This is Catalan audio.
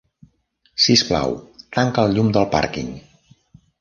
Sisplau, tanca el llum del pàrquing.